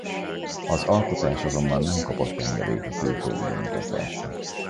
Az alkotás azonban nem kapott engedélyt a külföldi bemutatásra.